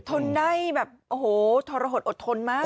ทนได้แบบโอ้โหทรหดอดทนมาก